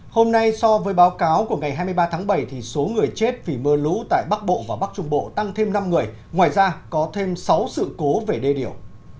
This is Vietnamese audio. hôm nay so với báo cáo của ngày hai mươi ba tháng bảy số người chết vì mưa lũ tại bắc bộ và bắc trung bộ tăng thêm năm người ngoài ra có thêm sáu sự cố về đê điều